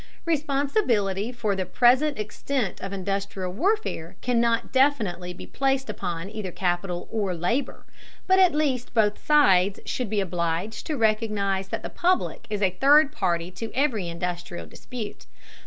Responsibility for the present extent of industrial warfare cannot definitely be placed upon either capital or labor, but at least both sides should be obliged to recognize that the public is a third party to every industrial dispute.